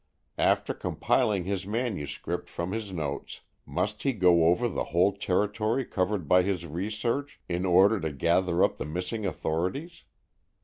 After compiling his manuscript from his notes, must he go over the whole territory covered by his research in order to gather up the missing authorities?